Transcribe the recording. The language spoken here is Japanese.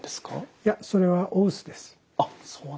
いやそれはお薄です。